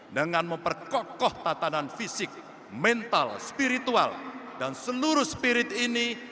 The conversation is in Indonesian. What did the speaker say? dengan memperkokoh tatanan fisik mental spiritual dan seluruh spirit ini